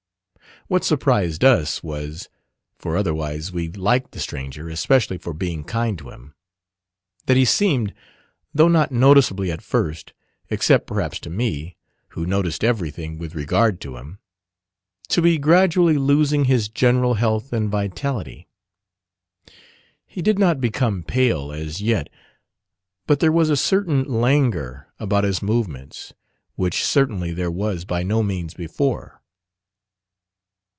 What surprised us was (for otherwise we liked the stranger, especially for being kind to him) that he seemed, though not noticeably at first except perhaps to me, who noticed everything with regard to him to be gradually losing his general health and vitality. He did not become pale as yet; but there was a certain languor about his movements which certainly there was by no means before.